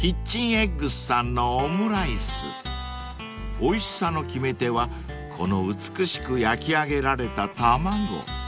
［おいしさの決め手はこの美しく焼き上げられた卵］